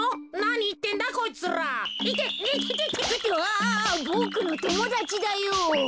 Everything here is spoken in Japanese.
あボクのともだちだよ。